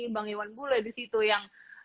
bang iwan bule di situ yang